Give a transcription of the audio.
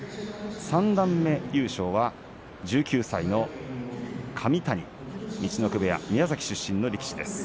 三段目優勝は１９歳の神谷陸奥部屋です宮崎出身の力士です。